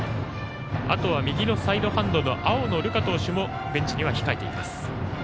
あとは右のサイドハンドの青野流果投手もベンチには控えています。